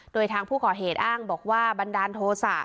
โดยทางผู้ก่อเหตุอ้างบอกว่าบันดาลโทษะ